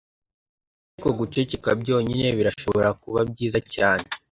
ariko guceceka byonyine birashobora kuba byiza cyane